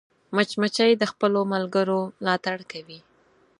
مچمچۍ د خپلو ملګرو ملاتړ کوي